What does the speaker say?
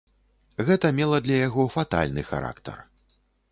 Гэта мела для яго фатальны характар.